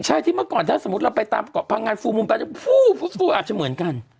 ใช่ที่เมื่อก่อนถ้าสมมุติเราไปตามเกาะพังงานฟูมุมไปฟูอาจจะเหมือนกัน